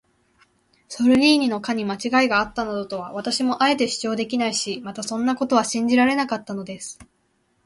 ソルディーニの課にまちがいがあったなどとは、私もあえて主張できないし、またそんなことは信じられなかったのです。